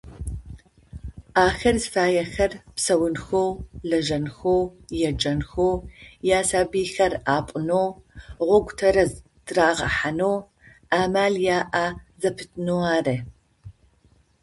Ахэр зыфаехэр псэунхэу, лэжьэнхэу, еджэнхэу, ясабыйхэр апӏунэу, гъогу тэрэз тырагъэхьанэу амал яӏэ зэпытынэу ары.